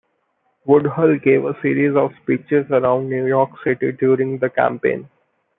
Woodhull gave a series of speeches around New York City during the campaign.